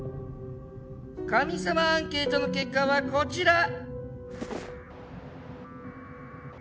神様アンケートの結果はこちら。